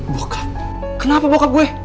bokap kenapa bokap gue